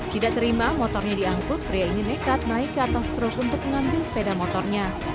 tidak terima motornya diangkut pria ini nekat naik ke atas truk untuk mengambil sepeda motornya